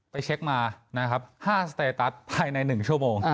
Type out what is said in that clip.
ไปเช็คมานะครับ๕สเตตัสภายใน๑ชั่วโมง